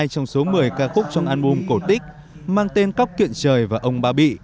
hai trong số một mươi ca khúc trong album cổ tích mang tên cóc kiện trời và ông ba bị